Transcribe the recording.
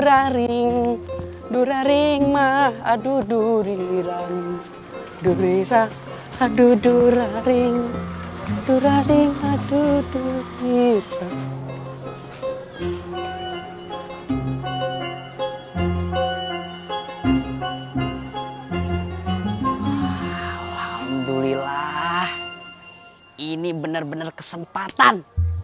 alhamdulillah ini bener bener kesempatan